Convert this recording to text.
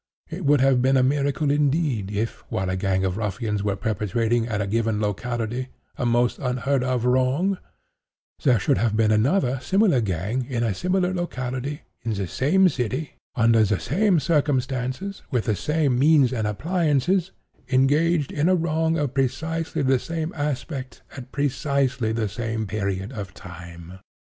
It would have been a miracle indeed, if, while a gang of ruffians were perpetrating, at a given locality, a most unheard of wrong, there should have been another similar gang, in a similar locality, in the same city, under the same circumstances, with the same means and appliances, engaged in a wrong of precisely the same aspect, at precisely the same period of time!